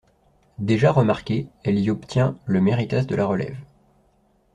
Déjà remarquée, elle y obtient le Méritas de la relève.